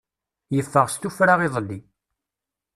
Yeffeɣ s tuffra iḍelli.